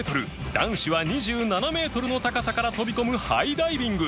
男子は２７メートルの高さから飛び込むハイダイビング